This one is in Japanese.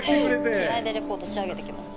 気合いでレポート仕上げてきました。